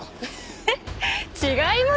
えっ違いますよ。